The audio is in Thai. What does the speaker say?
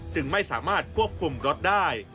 จึงไม่สามารถควบคุมรถได้